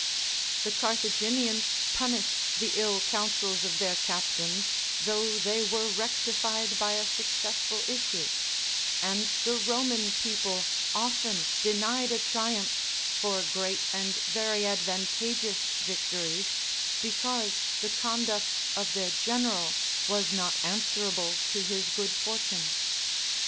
The Carthaginians punished the ill counsels of their captains, though they were rectified by a successful issue; and the Roman people often denied a triumph for great and very advantageous victories because the conduct of their general was not answerable to his good fortune.